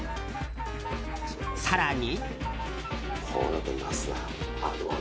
更に。